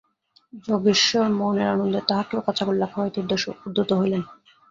যজ্ঞেশ্বর মনের আনন্দে তাঁহাকেও কাঁচাগোল্লা খাওয়াইতে উদ্যত হইলেন।